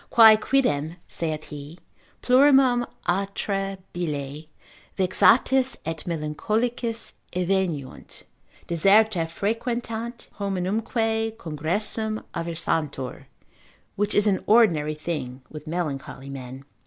Quae quidem (saith he) plurimum atra bile vexatis et melancholicis eveniunt, deserta frequentant, hominumque congressum aversantur; which is an ordinary thing with melancholy men.